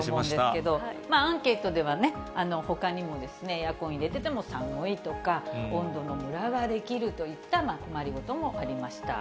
アンケートではね、ほかにもエアコン入れてても寒いとか、温度のむらができるといった困り事もありました。